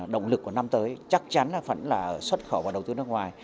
động lực của năm tới chắc chắn là xuất khẩu và đầu tư nước ngoài